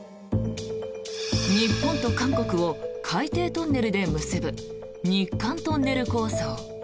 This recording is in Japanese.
日本と韓国を海底トンネルで結ぶ日韓トンネル構想。